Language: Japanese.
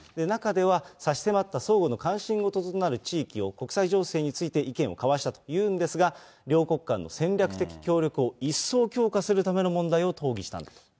中では、差し迫った相互の関心事となる地域と国際情勢について意見を交わしたというんですが、両国間の戦略的協力を一層強化するための問題を討議したんだと。